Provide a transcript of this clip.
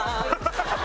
ハハハハ！